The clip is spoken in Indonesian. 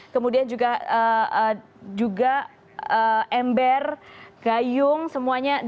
kemudian juga ember gayung semuanya